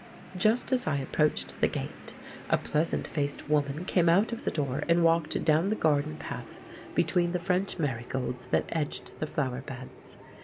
Just as I approached the gate, a pleasant faced woman came out of the door and walked down the garden path between the French marigolds that edged the flower beds.